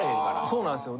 そうなんですよ。